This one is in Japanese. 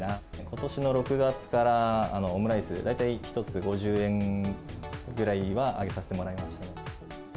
ことしの６月からオムライス、大体１つ５０円ぐらいは上げさせてもらいましたね。